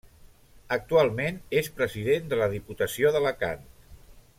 Actualment és President de la Diputació d'Alacant.